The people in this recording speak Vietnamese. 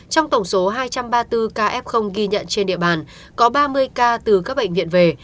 trong tổng số hai trăm ba mươi bốn ca f ghi nhận trên địa bàn có ba mươi ca từ các bệnh viện về